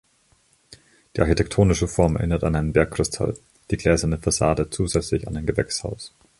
Die architektonische Form erinnert an einen Bergkristall, die gläserne Fassade zusätzlich an ein Gewächshaus.